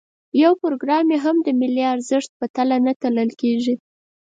یو پروګرام یې هم د ملي ارزښت په تله نه تلل کېږي.